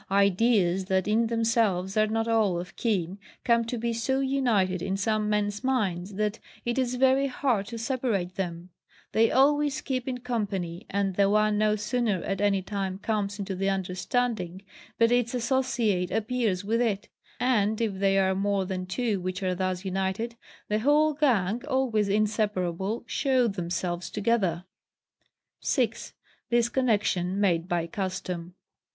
Ideas that in themselves are not all of kin, come to be so united in some men's minds, that it is very hard to separate them; they always keep in company, and the one no sooner at any time comes into the understanding, but its associate appears with it; and if they are more than two which are thus united, the whole gang, always inseparable, show themselves together. 6. This Connexion made by custom.